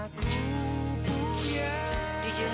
tentulah yang aku punya